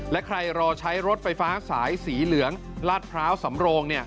และใครรอใช้รถไฟฟ้าสายสีเหลืองลาดพร้าวสำโรง